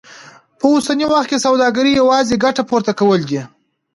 په اوسني وخت کې سوداګري يوازې ګټه پورته کول دي.